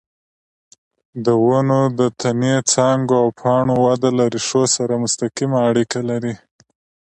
د ونو د تنې، څانګو او پاڼو وده له ریښو سره مستقیمه اړیکه لري.